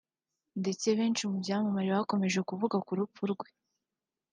ndetse benshi mu byamamare bakomeje kuvuga ku rupfu rwe